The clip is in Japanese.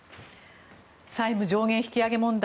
債務上限引き上げ問題